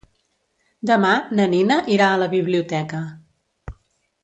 Demà na Nina irà a la biblioteca.